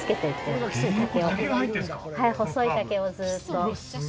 細い竹をずっと。